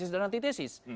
kesis dan antitesis